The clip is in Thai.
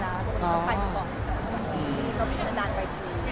เด็กอะเอ้ามะเฅียบว่าเอ้ามประกับไปตั้งนาน